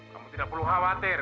kamu tidak perlu khawatir